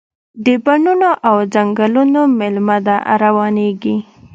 د بڼوڼو او ځنګلونو میلمنه ده، روانیږي